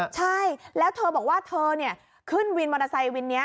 ใช่แล้วเธอบอกว่าเธอขึ้นวินมอเตอร์ไซค์วินนี้